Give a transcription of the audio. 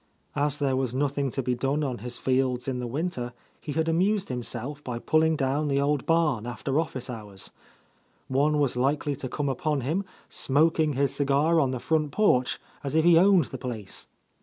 As there was nothing to be done on his fields in the winter, he had amused himself by pulling down the old barn after office hours. One was likely to come upon him, smoking his cigar on the front porch as if he owned the place.